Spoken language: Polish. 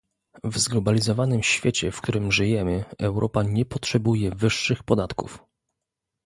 W zglobalizowanym świecie w którym żyjemy, Europa nie potrzebuje wyższych podatków